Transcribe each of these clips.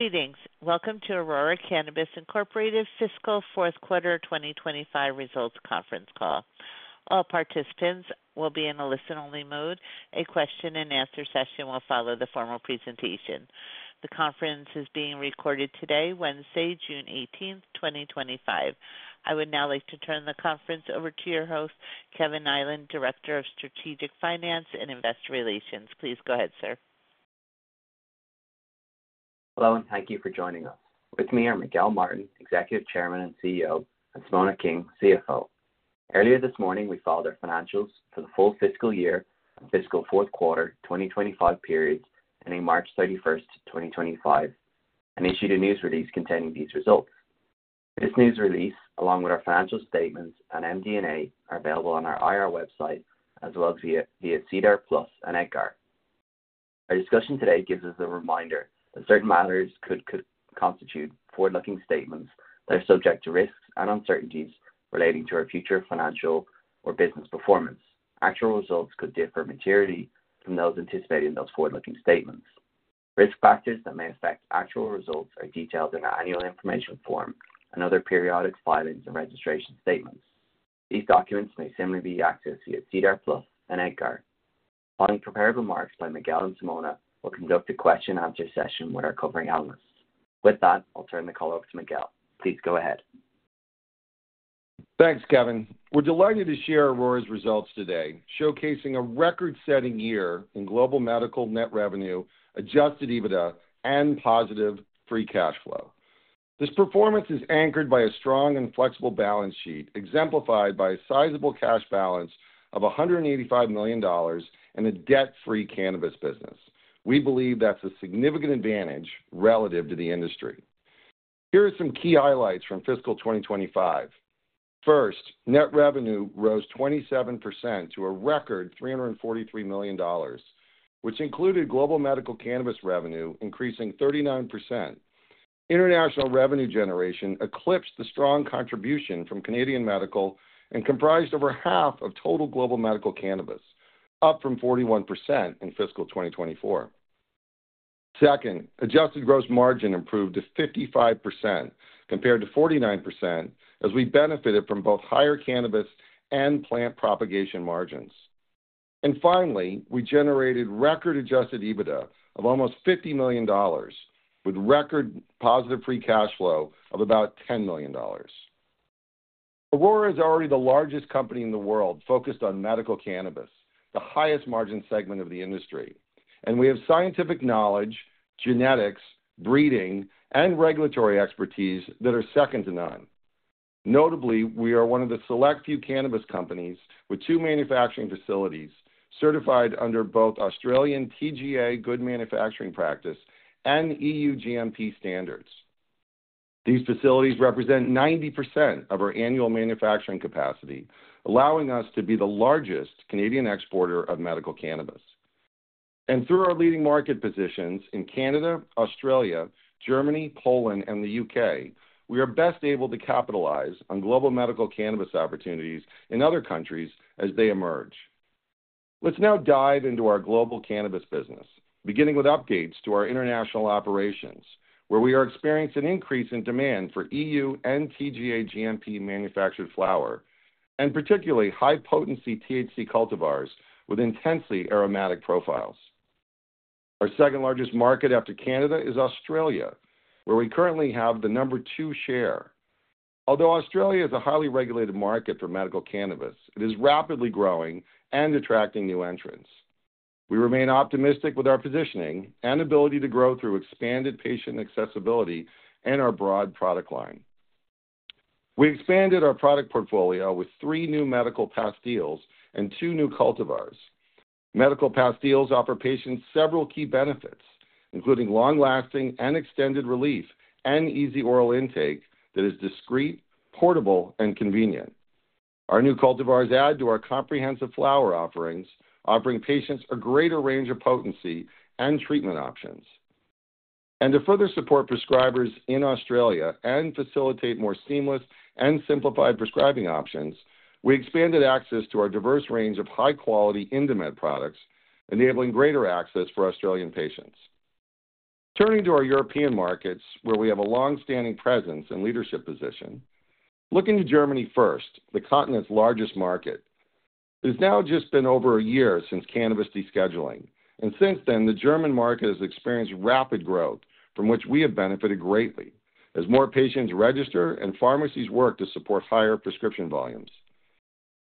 Greetings. Welcome to Aurora Cannabis's fiscal fourth quarter 2025 results conference call. All participants will be in a listen-only mode. A question-and-answer session will follow the formal presentation. The conference is being recorded today, Wednesday, June 18th, 2025. I would now like to turn the conference over to your host, Kevin Niland, Director of Strategic Finance and Investor Relations. Please go ahead, sir. Hello, and thank you for joining us. With me are Miguel Martin, Executive Chairman and CEO, and Simona King, CFO. Earlier this morning, we filed our financials for the full fiscal year and fiscal fourth quarter 2025 periods ending March 31, 2025, and issued a news release containing these results. This news release, along with our financial statements and MD&A, are available on our IR website as well as via SEDAR+ and EDGAR. Our discussion today gives us a reminder that certain matters could constitute forward-looking statements that are subject to risks and uncertainties relating to our future financial or business performance. Actual results could differ materially from those anticipated in those forward-looking statements. Risk factors that may affect actual results are detailed in our annual information form and other periodic filings and registration statements. These documents may similarly be accessed via SEDAR+ and EDGAR. Following prepared remarks by Miguel and Simona, we will conduct a question-and-answer session with our covering analysts. With that, I will turn the call over to Miguel. Please go ahead. Thanks, Kevin. We're delighted to share Aurora's results today, showcasing a record-setting year in global medical net revenue, adjusted EBITDA, and positive free cash flow. This performance is anchored by a strong and flexible balance sheet, exemplified by a sizable cash balance of $185 million and a debt-free cannabis business. We believe that's a significant advantage relative to the industry. Here are some key highlights from fiscal 2025. First, net revenue rose 27% to a record $343 million, which included global medical cannabis revenue increasing 39%. International revenue generation eclipsed the strong contribution from Canadian medical and comprised over half of total global medical cannabis, up from 41% in fiscal 2024. Second, adjusted gross margin improved to 55% compared to 49%, as we benefited from both higher cannabis and plant propagation margins. Finally, we generated record adjusted EBITDA of almost $50 million, with record positive free cash flow of about $10 million. Aurora is already the largest company in the world focused on medical cannabis, the highest margin segment of the industry, and we have scientific knowledge, genetics, breeding, and regulatory expertise that are second to none. Notably, we are one of the select few cannabis companies with two manufacturing facilities certified under both Australian TGA Good Manufacturing Practice and EU GMP standards. These facilities represent 90% of our annual manufacturing capacity, allowing us to be the largest Canadian exporter of medical cannabis. Through our leading market positions in Canada, Australia, Germany, Poland, and the U.K., we are best able to capitalize on global medical cannabis opportunities in other countries as they emerge. Let's now dive into our global cannabis business, beginning with updates to our international operations, where we are experiencing an increase in demand for EU and TGA GMP manufactured flower, and particularly high-potency THC cultivars with intensely aromatic profiles. Our second largest market after Canada is Australia, where we currently have the number two share. Although Australia is a highly regulated market for medical cannabis, it is rapidly growing and attracting new entrants. We remain optimistic with our positioning and ability to grow through expanded patient accessibility and our broad product line. We expanded our product portfolio with three new medical pastilles and two new cultivars. Medical pastilles offer patients several key benefits, including long-lasting and extended relief and easy oral intake that is discreet, portable, and convenient. Our new cultivars add to our comprehensive flower offerings, offering patients a greater range of potency and treatment options. To further support prescribers in Australia and facilitate more seamless and simplified prescribing options, we expanded access to our diverse range of high-quality Indemed products, enabling greater access for Australian patients. Turning to our European markets, where we have a long-standing presence and leadership position, looking to Germany first, the continent's largest market, it has now just been over a year since cannabis descheduling, and since then, the German market has experienced rapid growth from which we have benefited greatly, as more patients register and pharmacies work to support higher prescription volumes.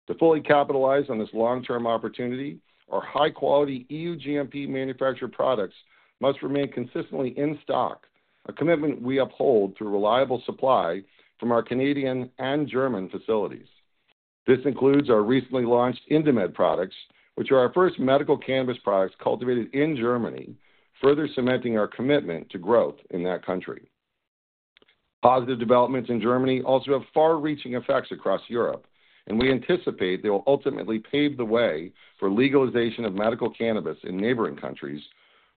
To fully capitalize on this long-term opportunity, our high-quality EU GMP manufactured products must remain consistently in stock, a commitment we uphold through reliable supply from our Canadian and German facilities. This includes our recently launched Indemed products, which are our first medical cannabis products cultivated in Germany, further cementing our commitment to growth in that country. Positive developments in Germany also have far-reaching effects across Europe, and we anticipate they will ultimately pave the way for legalization of medical cannabis in neighboring countries,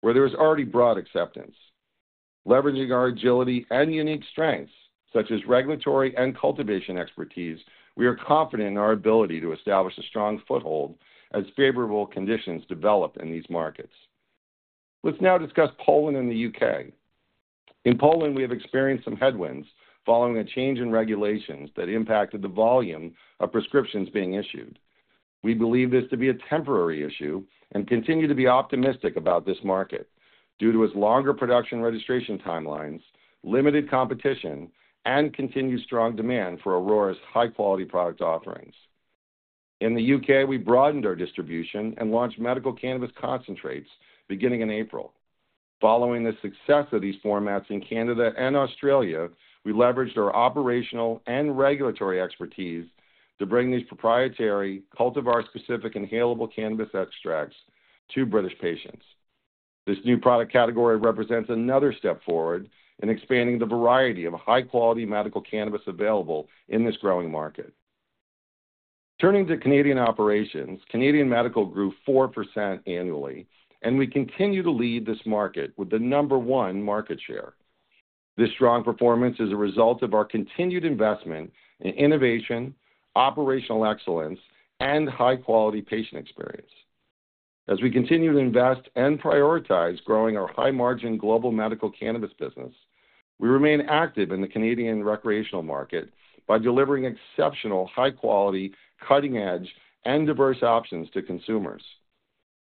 where there is already broad acceptance. Leveraging our agility and unique strengths, such as regulatory and cultivation expertise, we are confident in our ability to establish a strong foothold as favorable conditions develop in these markets. Let's now discuss Poland and the U.K. In Poland, we have experienced some headwinds following a change in regulations that impacted the volume of prescriptions being issued. We believe this to be a temporary issue and continue to be optimistic about this market due to its longer production registration timelines, limited competition, and continued strong demand for Aurora's high-quality product offerings. In the U.K., we broadened our distribution and launched medical cannabis concentrates beginning in April. Following the success of these formats in Canada and Australia, we leveraged our operational and regulatory expertise to bring these proprietary cultivar-specific inhalable cannabis extracts to British patients. This new product category represents another step forward in expanding the variety of high-quality medical cannabis available in this growing market. Turning to Canadian operations, Canadian medical grew 4% annually, and we continue to lead this market with the number one market share. This strong performance is a result of our continued investment in innovation, operational excellence, and high-quality patient experience. As we continue to invest and prioritize growing our high-margin global medical cannabis business, we remain active in the Canadian recreational market by delivering exceptional high-quality, cutting-edge, and diverse options to consumers.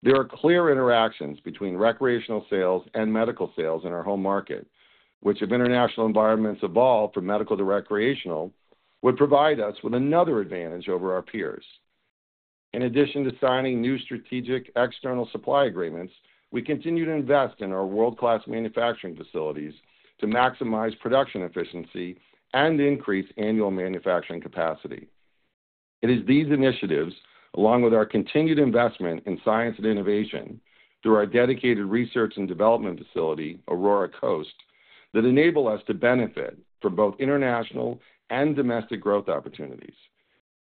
There are clear interactions between recreational sales and medical sales in our home market, which, if international environments evolve from medical to recreational, would provide us with another advantage over our peers. In addition to signing new strategic external supply agreements, we continue to invest in our world-class manufacturing facilities to maximize production efficiency and increase annual manufacturing capacity. It is these initiatives, along with our continued investment in science and innovation through our dedicated research and development facility, Aurora Coast, that enable us to benefit from both international and domestic growth opportunities.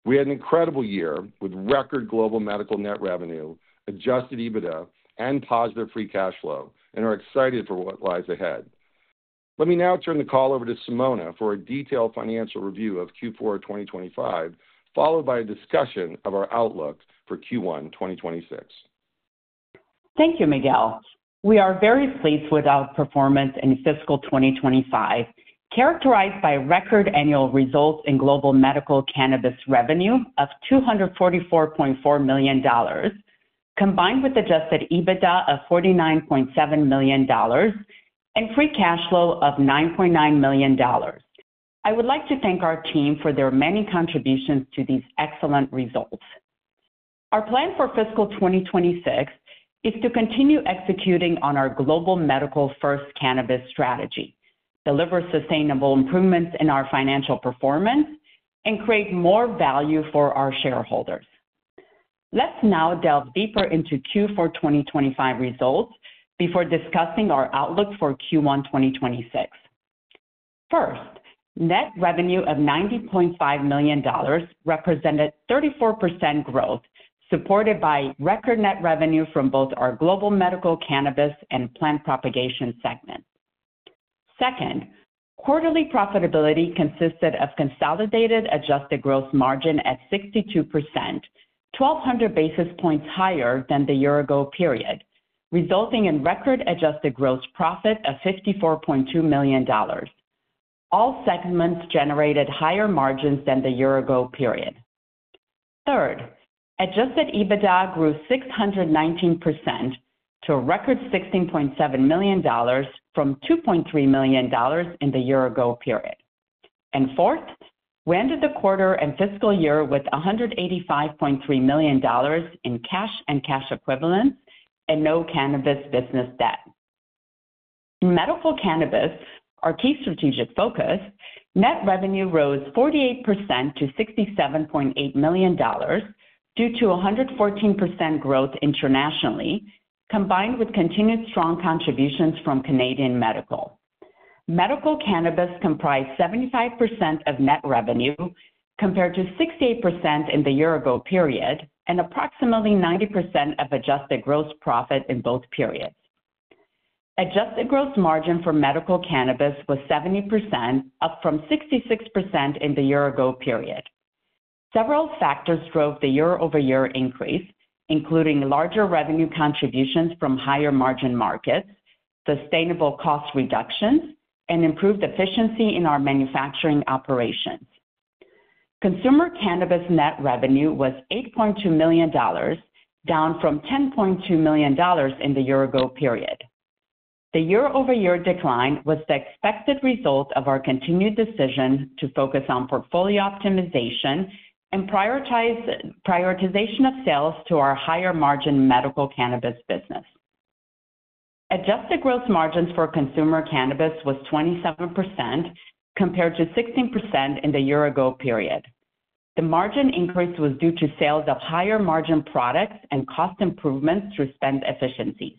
We had an incredible year with record global medical net revenue, adjusted EBITDA, and positive free cash flow, and are excited for what lies ahead. Let me now turn the call over to Simona for a detailed financial review of Q4 2025, followed by a discussion of our outlook for Q1 2026. Thank you, Miguel. We are very pleased with our performance in fiscal 2025, characterized by record annual results in global medical cannabis revenue of $244.4 million, combined with adjusted EBITDA of $49.7 million, and free cash flow of $9.9 million. I would like to thank our team for their many contributions to these excellent results. Our plan for fiscal 2026 is to continue executing on our global medical-first cannabis strategy, deliver sustainable improvements in our financial performance, and create more value for our shareholders. Let's now delve deeper into Q4 2025 results before discussing our outlook for Q1 2026. First, net revenue of $90.5 million represented 34% growth, supported by record net revenue from both our global medical cannabis and plant propagation segment. Second, quarterly profitability consisted of consolidated adjusted gross margin at 62%, 1,200 basis points higher than the year-ago period, resulting in record adjusted gross profit of $54.2 million. All segments generated higher margins than the year-ago period. Third, adjusted EBITDA grew 619% to a record $16.7 million from $2.3 million in the year-ago period. Fourth, we ended the quarter and fiscal year with $185.3 million in cash and cash equivalents and no cannabis business debt. In medical cannabis, our key strategic focus, net revenue rose 48% to $67.8 million due to 114% growth internationally, combined with continued strong contributions from Canadian medical. Medical cannabis comprised 75% of net revenue, compared to 68% in the year-ago period, and approximately 90% of adjusted gross profit in both periods. Adjusted gross margin for medical cannabis was 70%, up from 66% in the year-ago period. Several factors drove the year-over-year increase, including larger revenue contributions from higher margin markets, sustainable cost reductions, and improved efficiency in our manufacturing operations. Consumer cannabis net revenue was $8.2 million, down from $10.2 million in the year-ago period. The year-over-year decline was the expected result of our continued decision to focus on portfolio optimization and prioritization of sales to our higher-margin medical cannabis business. Adjusted gross margin for consumer cannabis was 27%, compared to 16% in the year-ago period. The margin increase was due to sales of higher-margin products and cost improvements through spend efficiencies.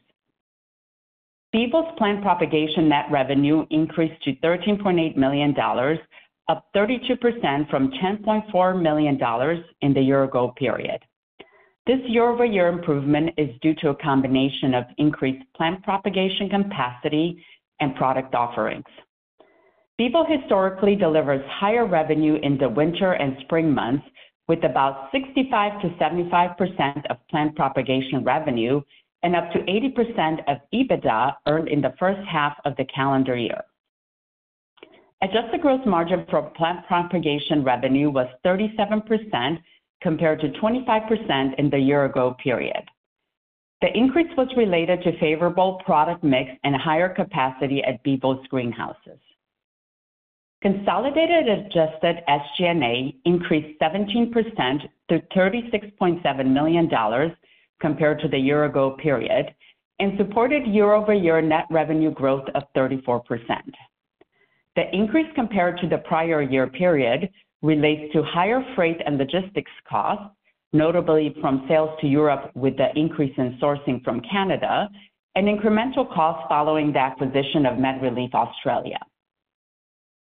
Bevo Farms' plant propagation net revenue increased to $13.8 million, up 32% from $10.4 million in the year-ago period. This year-over-year improvement is due to a combination of increased plant propagation capacity and product offerings. Bevo historically delivers higher revenue in the winter and spring months, with about 65%-75% of plant propagation revenue and up to 80% of EBITDA earned in the first half of the calendar year. Adjusted gross margin for plant propagation revenue was 37%, compared to 25% in the year-ago period. The increase was related to favorable product mix and higher capacity at Bevo's greenhouses. Consolidated adjusted SG&A increased 17% to $36.7 million, compared to the year-ago period, and supported year-over-year net revenue growth of 34%. The increase compared to the prior year period relates to higher freight and logistics costs, notably from sales to Europe with the increase in sourcing from Canada, and incremental costs following the acquisition of MedReleaf Australia.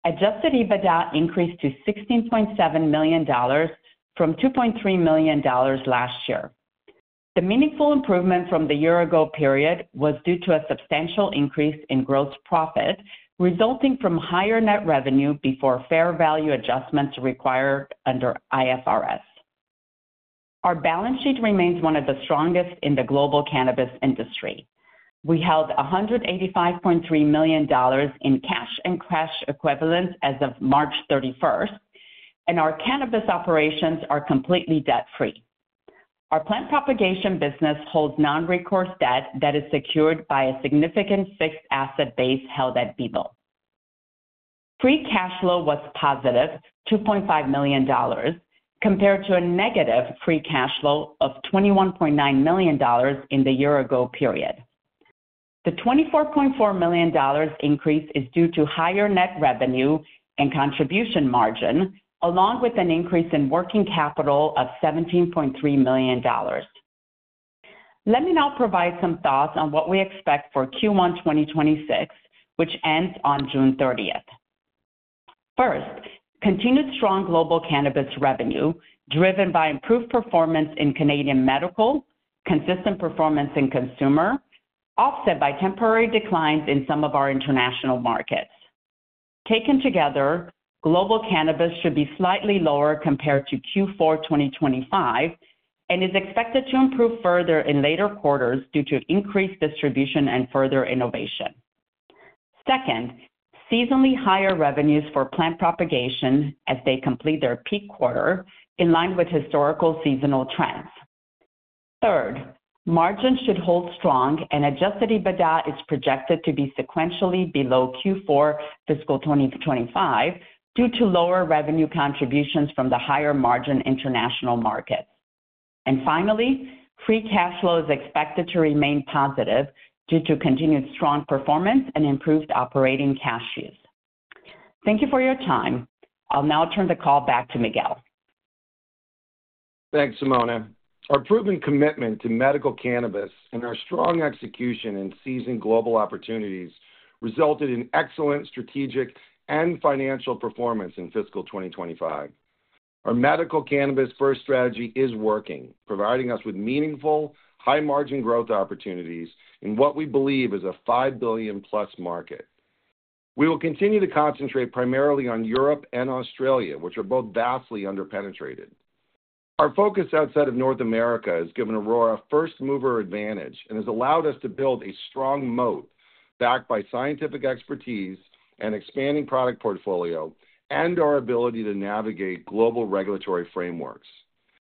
Adjusted EBITDA increased to $16.7 million from $2.3 million last year. The meaningful improvement from the year-ago period was due to a substantial increase in gross profit resulting from higher net revenue before fair value adjustments required under IFRS. Our balance sheet remains one of the strongest in the global cannabis industry. We held $185.3 million in cash and cash equivalents as of March 31, and our cannabis operations are completely debt-free. Our plant propagation business holds non-recourse debt that is secured by a significant fixed asset base held at Bevo. Free cash flow was positive, $2.5 million, compared to a negative free cash flow of $21.9 million in the year-ago period. The $24.4 million increase is due to higher net revenue and contribution margin, along with an increase in working capital of $17.3 million. Let me now provide some thoughts on what we expect for Q1 2026, which ends on June 30. First, continued strong global cannabis revenue driven by improved performance in Canadian medical, consistent performance in consumer, offset by temporary declines in some of our international markets. Taken together, global cannabis should be slightly lower compared to Q4 2025 and is expected to improve further in later quarters due to increased distribution and further innovation. Second, seasonally higher revenues for plant propagation as they complete their peak quarter, in line with historical seasonal trends. Third, margins should hold strong, and adjusted EBITDA is projected to be sequentially below Q4 fiscal 2025 due to lower revenue contributions from the higher-margin international markets. Finally, free cash flow is expected to remain positive due to continued strong performance and improved operating cash use. Thank you for your time. I'll now turn the call back to Miguel. Thanks, Simona. Our proven commitment to medical cannabis and our strong execution in seizing global opportunities resulted in excellent strategic and financial performance in fiscal 2025. Our medical cannabis-first strategy is working, providing us with meaningful, high-margin growth opportunities in what we believe is a $5 billion-plus market. We will continue to concentrate primarily on Europe and Australia, which are both vastly underpenetrated. Our focus outside of North America has given Aurora a first-mover advantage and has allowed us to build a strong moat backed by scientific expertise and expanding product portfolio and our ability to navigate global regulatory frameworks.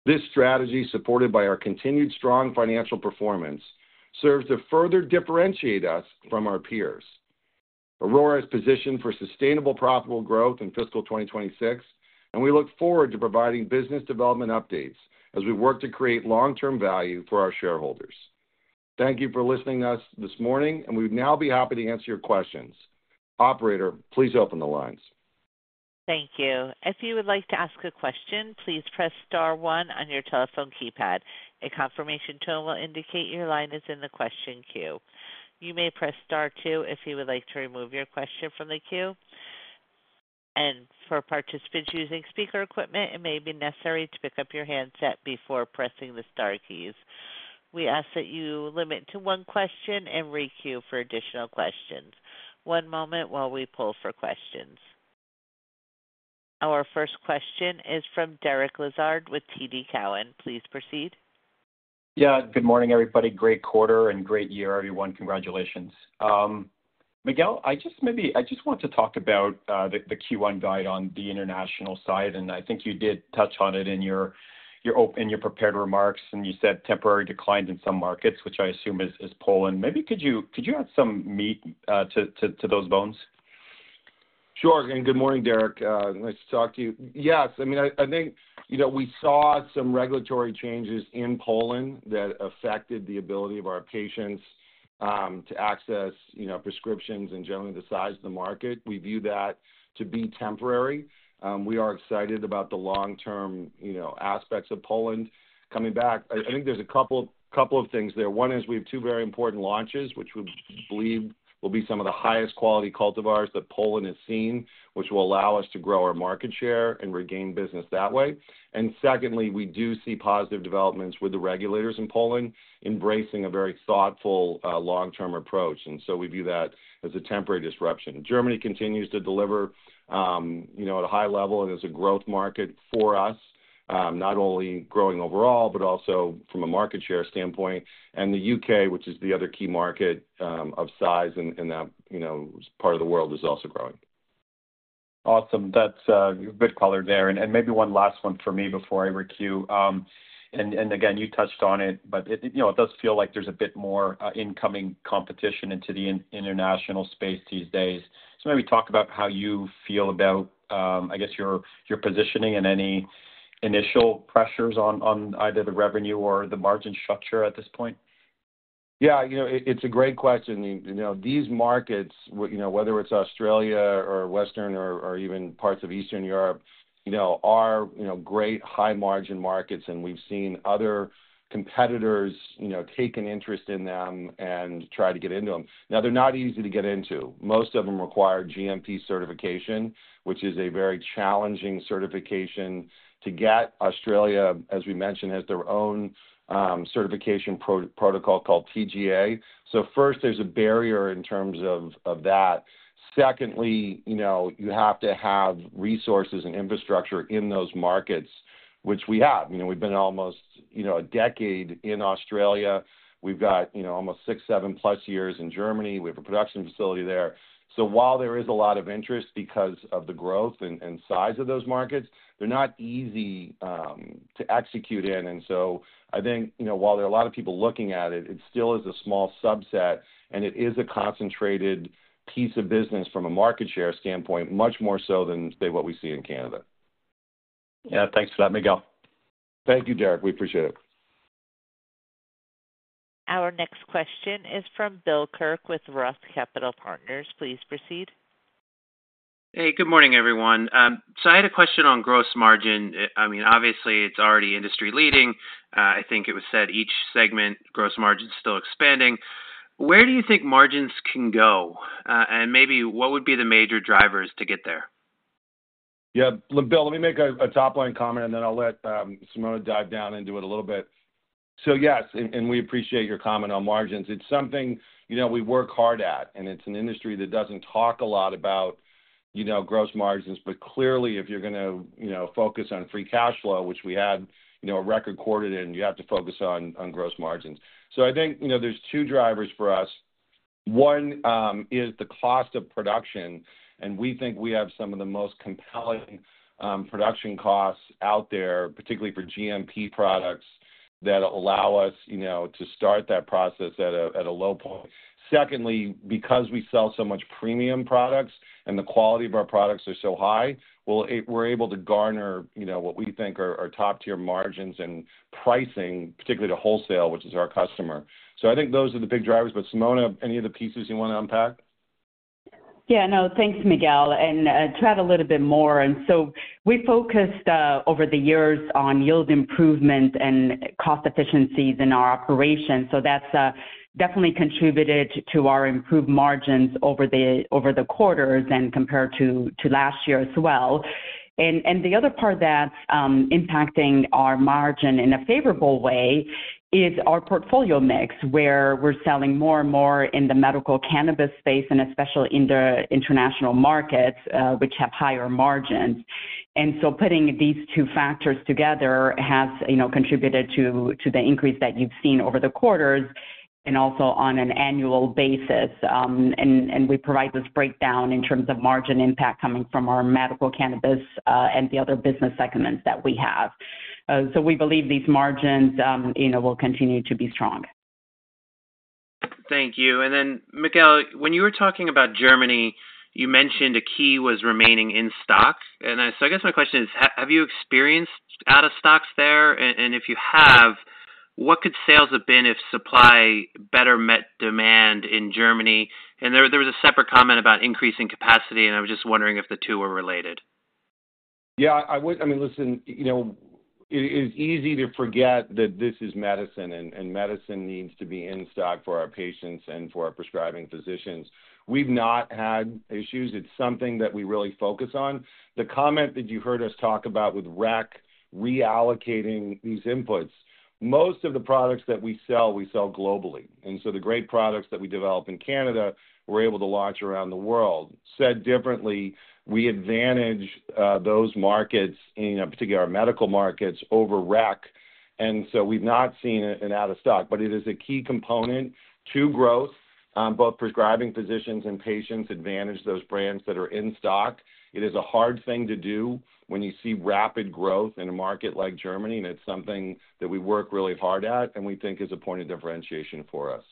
This strategy, supported by our continued strong financial performance, serves to further differentiate us from our peers. Aurora is positioned for sustainable, profitable growth in fiscal 2026, and we look forward to providing business development updates as we work to create long-term value for our shareholders. Thank you for listening to us this morning, and we'd now be happy to answer your questions. Operator, please open the lines. Thank you. If you would like to ask a question, please press Star 1 on your telephone keypad. A confirmation tone will indicate your line is in the question queue. You may press Star 2 if you would like to remove your question from the queue. For participants using speaker equipment, it may be necessary to pick up your handset before pressing the Star keys. We ask that you limit to one question and re-queue for additional questions. One moment while we pull for questions. Our first question is from Derek Lessard with TD Cowen. Please proceed. Yeah, good morning, everybody. Great quarter and great year, everyone. Congratulations. Miguel, I just want to talk about the Q1 guide on the international side, and I think you did touch on it in your prepared remarks, and you said temporary declines in some markets, which I assume is Poland. Maybe could you add some meat to those bones? Sure. Good morning, Derek. Nice to talk to you. Yes, I mean, I think we saw some regulatory changes in Poland that affected the ability of our patients to access prescriptions and generally the size of the market. We view that to be temporary. We are excited about the long-term aspects of Poland coming back. I think there are a couple of things there. One is we have two very important launches, which we believe will be some of the highest quality cultivars that Poland has seen, which will allow us to grow our market share and regain business that way. Secondly, we do see positive developments with the regulators in Poland embracing a very thoughtful long-term approach. We view that as a temporary disruption. Germany continues to deliver at a high level, and it is a growth market for us, not only growing overall, but also from a market share standpoint. The U.K., which is the other key market of size in that part of the world, is also growing. Awesome. That's a good color there. Maybe one last one for me before I re-queue. Again, you touched on it, but it does feel like there's a bit more incoming competition into the international space these days. Maybe talk about how you feel about, I guess, your positioning and any initial pressures on either the revenue or the margin structure at this point. Yeah, it's a great question. These markets, whether it's Australia or Western or even parts of Eastern Europe, are great high-margin markets, and we've seen other competitors take an interest in them and try to get into them. Now, they're not easy to get into. Most of them require GMP certification, which is a very challenging certification to get. Australia, as we mentioned, has their own certification protocol called TGA. First, there's a barrier in terms of that. Secondly, you have to have resources and infrastructure in those markets, which we have. We've been almost a decade in Australia. We've got almost six, seven-plus years in Germany. We have a production facility there. While there is a lot of interest because of the growth and size of those markets, they're not easy to execute in. I think while there are a lot of people looking at it, it still is a small subset, and it is a concentrated piece of business from a market share standpoint, much more so than say what we see in Canada. Yeah, thanks for that, Miguel. Thank you, Derek. We appreciate it. Our next question is from Bill Kirk with Roth Capital Partners. Please proceed. Hey, good morning, everyone. I had a question on gross margin. I mean, obviously, it's already industry-leading. I think it was said each segment, gross margin's still expanding. Where do you think margins can go? Maybe what would be the major drivers to get there? Yeah, Bill, let me make a top-line comment, and then I'll let Simona dive down into it a little bit. Yes, and we appreciate your comment on margins. It's something we work hard at, and it's an industry that doesn't talk a lot about gross margins, but clearly, if you're going to focus on free cash flow, which we had a record quarter in, you have to focus on gross margins. I think there's two drivers for us. One is the cost of production, and we think we have some of the most compelling production costs out there, particularly for GMP products, that allow us to start that process at a low point. Secondly, because we sell so much premium products and the quality of our products are so high, we're able to garner what we think are top-tier margins and pricing, particularly to wholesale, which is our customer. I think those are the big drivers. Simona, any other pieces you want to unpack? Yeah, no, thanks, Miguel. To add a little bit more, we focused over the years on yield improvement and cost efficiencies in our operations. That has definitely contributed to our improved margins over the quarters and compared to last year as well. The other part that is impacting our margin in a favorable way is our portfolio mix, where we are selling more and more in the medical cannabis space, especially in the international markets, which have higher margins. Putting these two factors together has contributed to the increase that you have seen over the quarters and also on an annual basis. We provide this breakdown in terms of margin impact coming from our medical cannabis and the other business segments that we have. We believe these margins will continue to be strong. Thank you. Miguel, when you were talking about Germany, you mentioned a key was remaining in stock. I guess my question is, have you experienced out-of-stocks there? If you have, what could sales have been if supply better met demand in Germany? There was a separate comment about increasing capacity, and I was just wondering if the two were related. Yeah, I mean, listen, it is easy to forget that this is medicine, and medicine needs to be in stock for our patients and for our prescribing physicians. We've not had issues. It's something that we really focus on. The comment that you heard us talk about with REC reallocating these inputs, most of the products that we sell, we sell globally. And so the great products that we develop in Canada, we're able to launch around the world. Said differently, we advantage those markets, particularly our medical markets, over REC. And so we've not seen an out-of-stock, but it is a key component to growth. Both prescribing physicians and patients advantage those brands that are in stock. It is a hard thing to do when you see rapid growth in a market like Germany, and it is something that we work really hard at and we think is a point of differentiation for us.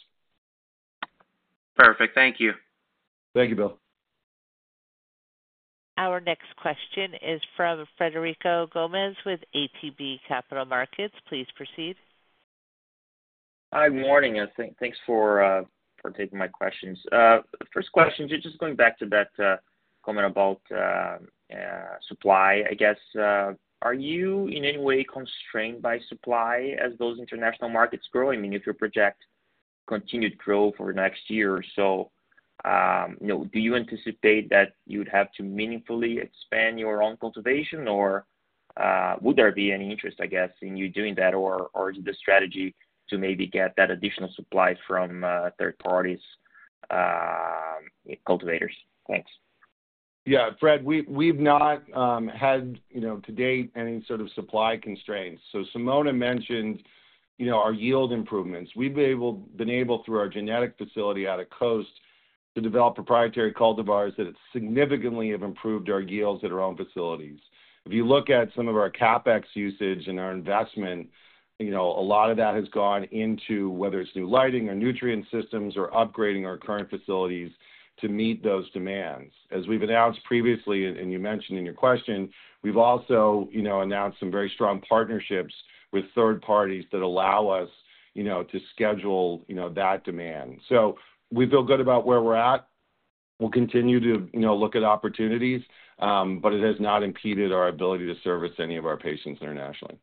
Perfect. Thank you. Thank you, Bill. Our next question is from Frederico Gomes with ATB Capital Markets. Please proceed. Hi, good morning. Thanks for taking my questions. First question, just going back to that comment about supply, I guess. Are you in any way constrained by supply as those international markets grow? I mean, if you project continued growth over the next year or so, do you anticipate that you would have to meaningfully expand your own cultivation, or would there be any interest, I guess, in you doing that, or is it a strategy to maybe get that additional supply from third-party cultivators? Thanks. Yeah, Fred, we've not had to date any sort of supply constraints. Simona mentioned our yield improvements. We've been able, through our genetic facility out at Coast, to develop proprietary cultivars that significantly have improved our yields at our own facilities. If you look at some of our CapEx usage and our investment, a lot of that has gone into whether it's new lighting or nutrient systems or upgrading our current facilities to meet those demands. As we've announced previously, and you mentioned in your question, we've also announced some very strong partnerships with third parties that allow us to schedule that demand. We feel good about where we're at. We'll continue to look at opportunities, but it has not impeded our ability to service any of our patients internationally.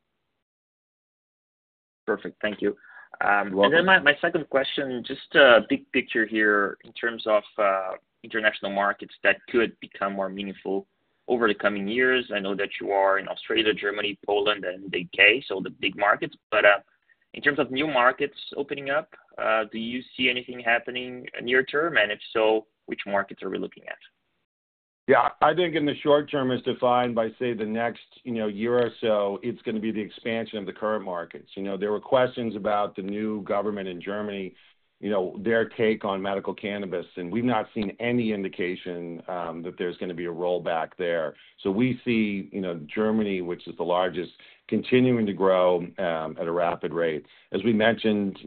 Perfect. Thank you. You're welcome. My second question, just a big picture here in terms of international markets that could become more meaningful over the coming years. I know that you are in Australia, Germany, Poland, and the U.K., so the big markets. In terms of new markets opening up, do you see anything happening near term, and if so, which markets are we looking at? Yeah, I think in the short term as defined by, say, the next year or so, it's going to be the expansion of the current markets. There were questions about the new government in Germany, their take on medical cannabis, and we've not seen any indication that there's going to be a rollback there. We see Germany, which is the largest, continuing to grow at a rapid rate. As we mentioned,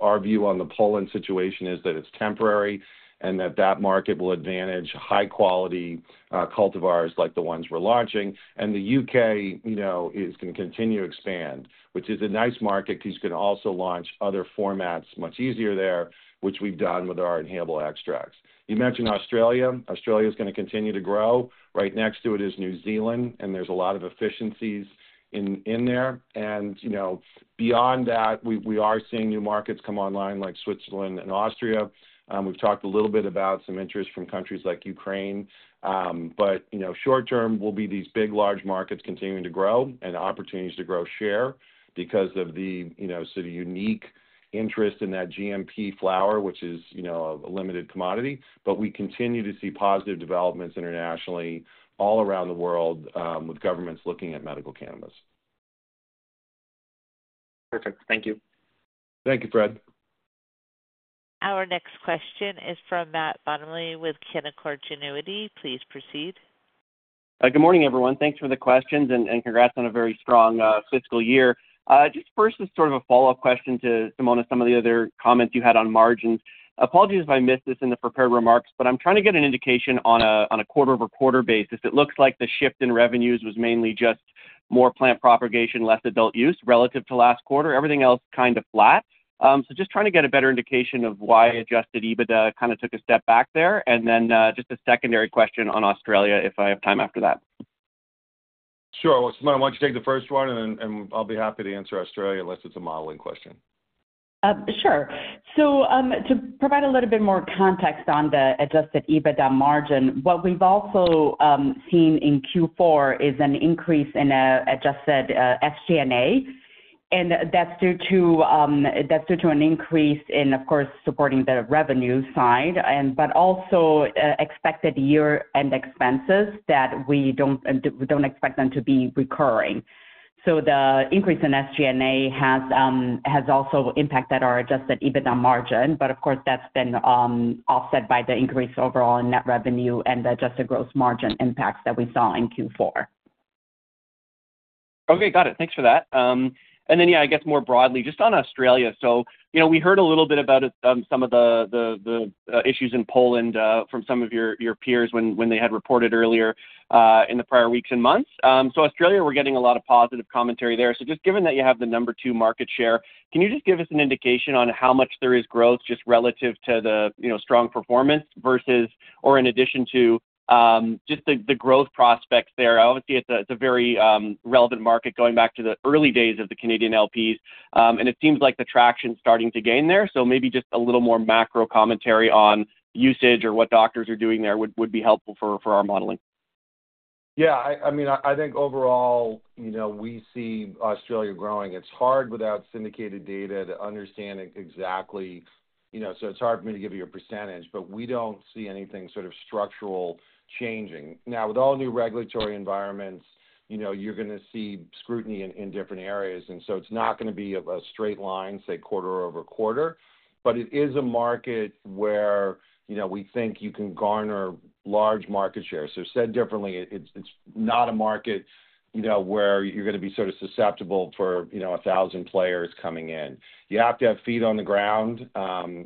our view on the Poland situation is that it's temporary and that that market will advantage high-quality cultivars like the ones we're launching. The U.K. is going to continue to expand, which is a nice market because you can also launch other formats much easier there, which we've done with our inhalable extracts. You mentioned Australia. Australia is going to continue to grow. Right next to it is New Zealand, and there's a lot of efficiencies in there. Beyond that, we are seeing new markets come online like Switzerland and Austria. We've talked a little bit about some interest from countries like Ukraine. Short-term, we'll be these big, large markets continuing to grow and opportunities to grow share because of the sort of unique interest in that GMP flower, which is a limited commodity. We continue to see positive developments internationally all around the world with governments looking at medical cannabis. Perfect. Thank you. Thank you, Fred. Our next question is from Matt Bottomley with Canaccord Genuity. Please proceed. Good morning, everyone. Thanks for the questions and congrats on a very strong fiscal year. Just first, as sort of a follow-up question to Simona and some of the other comments you had on margins, apologies if I missed this in the prepared remarks, but I'm trying to get an indication on a quarter-over-quarter basis. It looks like the shift in revenues was mainly just more plant propagation, less adult use relative to last quarter. Everything else kind of flat. Just trying to get a better indication of why adjusted EBITDA kind of took a step back there. Then just a secondary question on Australia if I have time after that. Sure. Simona, why do not you take the first one, and I will be happy to answer Australia unless it is a modeling question. Sure. To provide a little bit more context on the adjusted EBITDA margin, what we've also seen in Q4 is an increase in adjusted SG&A. That's due to an increase in, of course, supporting the revenue side, but also expected year-end expenses that we don't expect to be recurring. The increase in SG&A has also impacted our adjusted EBITDA margin, but that's been offset by the increase overall in net revenue and the adjusted gross margin impacts that we saw in Q4. Okay, got it. Thanks for that. Yeah, I guess more broadly, just on Australia. We heard a little bit about some of the issues in Poland from some of your peers when they had reported earlier in the prior weeks and months. Australia, we're getting a lot of positive commentary there. Just given that you have the number two market share, can you just give us an indication on how much there is growth just relative to the strong performance versus or in addition to just the growth prospects there? Obviously, it's a very relevant market going back to the early days of the Canadian LPs, and it seems like the traction is starting to gain there. Maybe just a little more macro commentary on usage or what doctors are doing there would be helpful for our modeling. Yeah, I mean, I think overall, we see Australia growing. It's hard without syndicated data to understand exactly. It's hard for me to give you a percentage, but we don't see anything sort of structural changing. Now, with all new regulatory environments, you're going to see scrutiny in different areas. It's not going to be a straight line, say, quarter-over-quarter. It is a market where we think you can garner large market shares. Said differently, it's not a market where you're going to be sort of susceptible for a thousand players coming in. You have to have feet on the ground.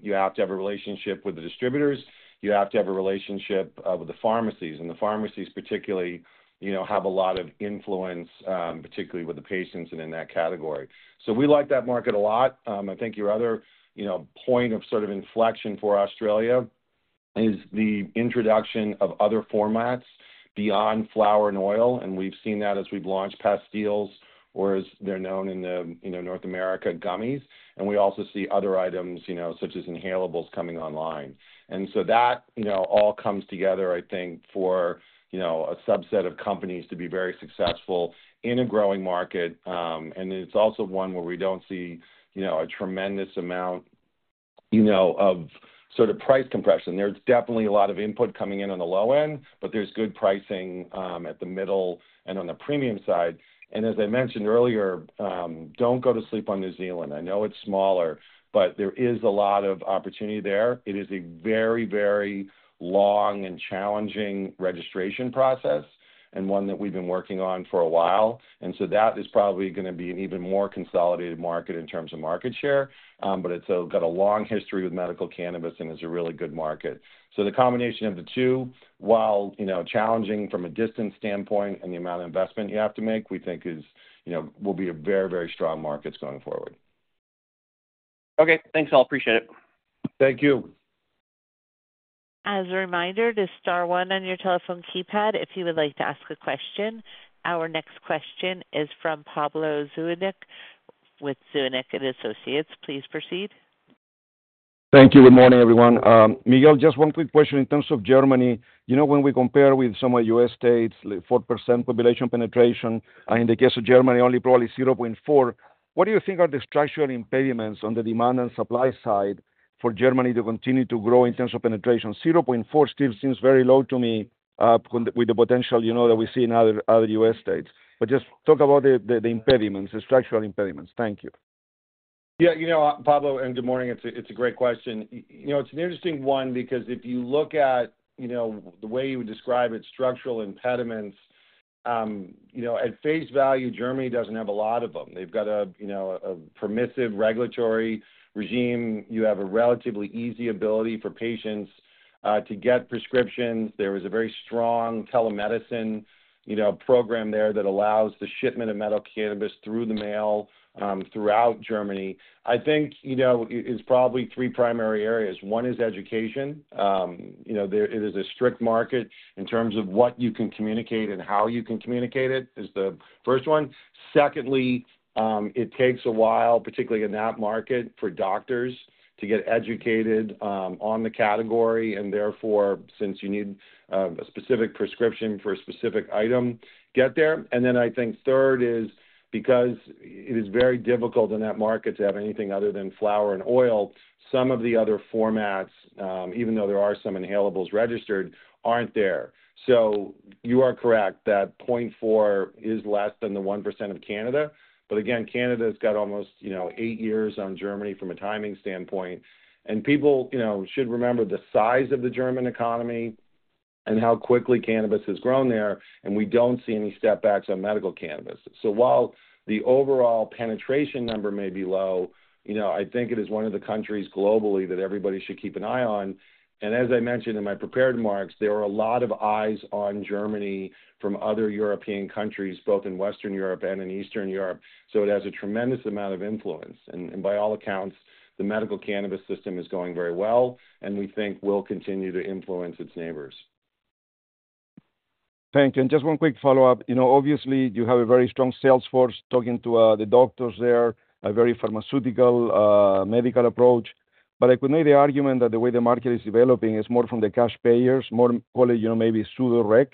You have to have a relationship with the distributors. You have to have a relationship with the pharmacies. The pharmacies particularly have a lot of influence, particularly with the patients and in that category. We like that market a lot. I think your other point of sort of inflection for Australia is the introduction of other formats beyond flower and oil. We have seen that as we have launched pastilles, or as they are known in North America, gummies. We also see other items such as inhalables coming online. That all comes together, I think, for a subset of companies to be very successful in a growing market. It is also one where we do not see a tremendous amount of sort of price compression. There is definitely a lot of input coming in on the low end, but there is good pricing at the middle and on the premium side. As I mentioned earlier, do not go to sleep on New Zealand. I know it is smaller, but there is a lot of opportunity there. It is a very, very long and challenging registration process and one that we've been working on for a while. That is probably going to be an even more consolidated market in terms of market share. It has a long history with medical cannabis and is a really good market. The combination of the two, while challenging from a distance standpoint and the amount of investment you have to make, we think will be very, very strong markets going forward. Okay. Thanks. I appreciate it. Thank you. As a reminder, press star one on your telephone keypad if you would like to ask a question. Our next question is from Pablo Zuanic with Zuanic & Associates. Please proceed. Thank you. Good morning, everyone. Miguel, just one quick question. In terms of Germany, when we compare with some of the U.S. states, 4% population penetration, and in the case of Germany, only probably 0.4%, what do you think are the structural impediments on the demand and supply side for Germany to continue to grow in terms of penetration? 0.4% still seems very low to me with the potential that we see in other U.S. states. Just talk about the impediments, the structural impediments. Thank you. Yeah. Pablo, and good morning. It's a great question. It's an interesting one because if you look at the way you would describe its structural impediments, at face value, Germany doesn't have a lot of them. They've got a permissive regulatory regime. You have a relatively easy ability for patients to get prescriptions. There is a very strong telemedicine program there that allows the shipment of medical cannabis through the mail throughout Germany. I think it's probably three primary areas. One is education. It is a strict market in terms of what you can communicate and how you can communicate it is the first one. Secondly, it takes a while, particularly in that market, for doctors to get educated on the category, and therefore, since you need a specific prescription for a specific item, get there. I think third is because it is very difficult in that market to have anything other than flower and oil, some of the other formats, even though there are some inhalables registered, aren't there. You are correct that 0.4% is less than the 1% of Canada. Canada has got almost eight years on Germany from a timing standpoint. People should remember the size of the German economy and how quickly cannabis has grown there, and we do not see any stepbacks on medical cannabis. While the overall penetration number may be low, I think it is one of the countries globally that everybody should keep an eye on. As I mentioned in my prepared remarks, there are a lot of eyes on Germany from other European countries, both in Western Europe and in Eastern Europe. It has a tremendous amount of influence. By all accounts, the medical cannabis system is going very well, and we think will continue to influence its neighbors. Thank you. Just one quick follow-up. Obviously, you have a very strong sales force talking to the doctors there, a very pharmaceutical medical approach. I could make the argument that the way the market is developing is more from the cash payers, more call it maybe pseudo REC,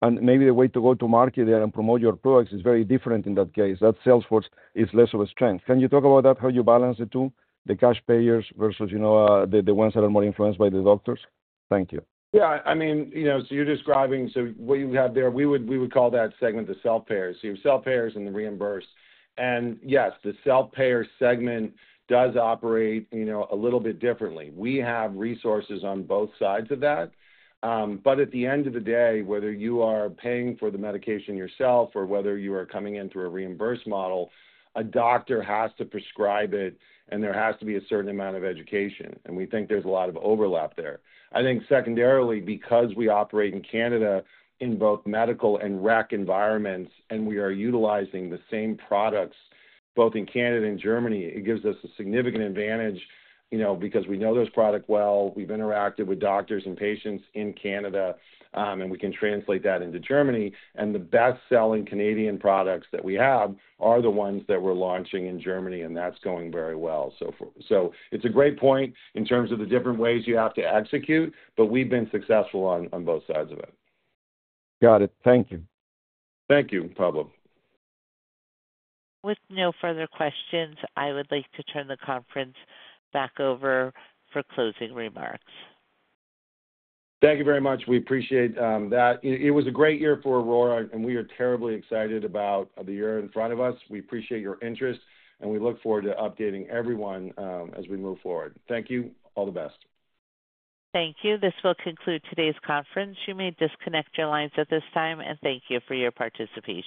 and maybe the way to go to market there and promote your products is very different in that case. That sales force is less of a strength. Can you talk about that, how you balance the two, the cash payers versus the ones that are more influenced by the doctors? Thank you. Yeah. I mean, so you're describing so what you have there, we would call that segment the self-payers. So you have self-payers and the reimbursed. And yes, the self-payer segment does operate a little bit differently. We have resources on both sides of that. At the end of the day, whether you are paying for the medication yourself or whether you are coming in through a reimbursed model, a doctor has to prescribe it, and there has to be a certain amount of education. We think there is a lot of overlap there. I think secondarily, because we operate in Canada in both medical and REC environments, and we are utilizing the same products both in Canada and Germany, it gives us a significant advantage because we know those products well. We have interacted with doctors and patients in Canada, and we can translate that into Germany. The best-selling Canadian products that we have are the ones that we are launching in Germany, and that is going very well. It is a great point in terms of the different ways you have to execute, but we have been successful on both sides of it. Got it. Thank you. Thank you, Pablo. With no further questions, I would like to turn the conference back over for closing remarks. Thank you very much. We appreciate that. It was a great year for Aurora, and we are terribly excited about the year in front of us. We appreciate your interest, and we look forward to updating everyone as we move forward. Thank you. All the best. Thank you. This will conclude today's conference. You may disconnect your lines at this time, and thank you for your participation.